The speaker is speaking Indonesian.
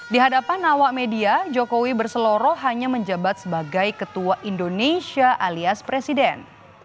di hadapan awak media jokowi berseloro hanya menjabat sebagai ketua indonesia alias presiden